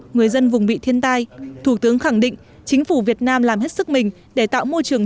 người dân vùng bị thiên tai thủ tướng khẳng định chính phủ việt nam làm hết sức mình để tạo môi trường